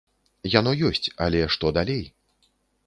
Яно ёсць, але што далей?